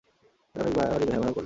এরা অনেক বারই হ্যাঁয়াও হ্যাঁয়াও করল।